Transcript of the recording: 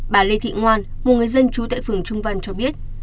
bà lê thị ngoan một người dân trú tại phường trung văn cho biết